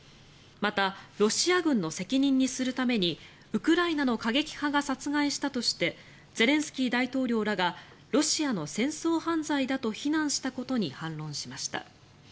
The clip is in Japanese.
またロシア軍の責任にするためにウクライナの過激派が殺害したとしてゼレンスキー大統領らがロシアの戦争犯罪だと非難したことに反論しました。